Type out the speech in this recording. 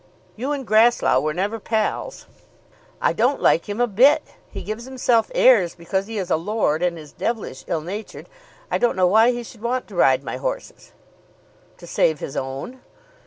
"You and Grasslough were never pals." "I don't like him a bit. He gives himself airs because he is a lord, and is devilish ill natured. I don't know why he should want to ride my horses." "To save his own."